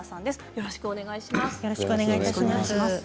よろしくお願いします。